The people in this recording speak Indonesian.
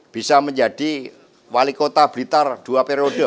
bisa menjadi wali kota blitar dua periode